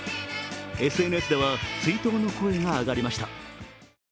ＳＮＳでは追悼の声が上がりました。